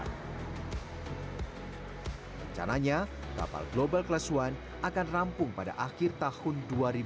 rencananya kapal global class one akan rampung pada akhir tahun dua ribu dua puluh